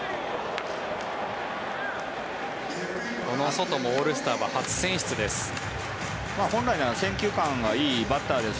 このソトもオールスターは初選出です。